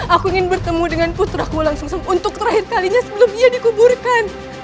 aku ingin bertemu dengan putraku langsung untuk terakhir kalinya sebelum ia dikuburkan